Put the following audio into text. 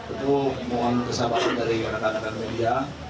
itu mohon kesabaran dari anak anak media